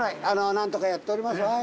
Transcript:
何とかやっております。